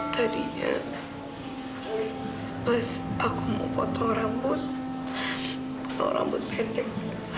tadinya pas aku mau potong rambut atau rambut pendek